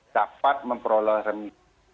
dapat memperoleh remisi